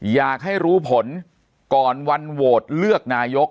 อยากให้รู้ผลก่อนวันโหวตเลือกนายก